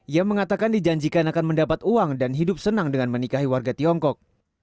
ia mengatakan dijanjikan akan mendapat uang dan hidup senang dengan menikahi warga tiongkok